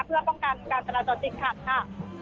เพื่อป้องกันการจราจรติดขัดค่ะ